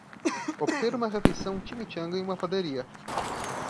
Obter uma refeição chimichanga em uma padaria